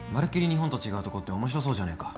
日本と違うとこって面白そうじゃねえか。